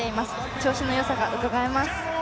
調子のよさがうかがえます。